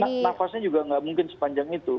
karena nafasnya juga nggak mungkin sepanjang itu